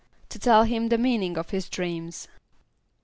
=To tell him the meaning of his dreams.